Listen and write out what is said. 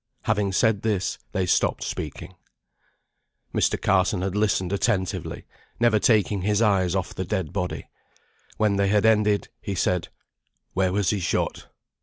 Having said this, they stopped speaking. Mr. Carson had listened attentively, never taking his eyes off the dead body. When they had ended, he said, "Where was he shot?"